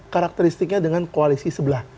karakteristiknya dengan koalisi sebelah